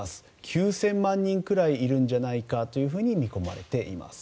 ９０００万人ぐらいいるんじゃないかと見込まれています。